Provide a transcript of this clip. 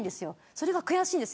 それが悔しいです